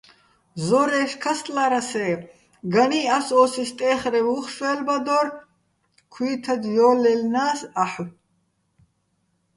ზორა́ჲში̆ ქასტლა́რას-ე́, განი́ ას ო́სი სტე́ხრევ უ̂ხ შვე́ლბადო́რ, ქუ́ჲთად ჲო́ლჲაჲლნა́ს აჰ̦ო̆.